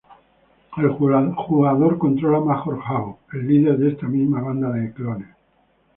El jugador controla Major Havoc, el líder de esta misma banda de clones.